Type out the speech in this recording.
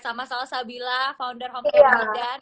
sama salasabila founder homepaybudan